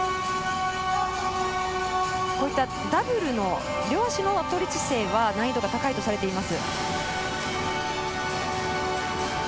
こういったダブルの両足の倒立姿勢は難易度が高いとされています。